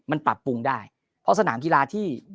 มันปรับปรุงได้เพราะสนามกีฬาที่